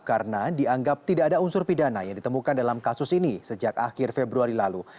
karena dianggap tidak ada unsur pidana yang ditemukan dalam kasus ini sejak akhir februari lalu